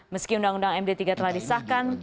meski undang undang md tiga telah disahkan